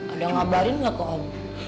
ada ngabarin gak ke om